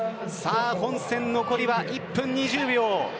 本戦、残りは１分２０秒。